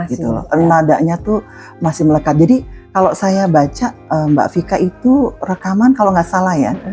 gitu loh nadanya tuh masih melekat jadi kalau saya baca mbak vika itu rekaman kalau nggak salah ya